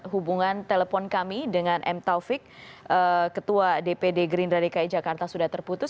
hubungan telepon kami dengan m taufik ketua dpd gerindra dki jakarta sudah terputus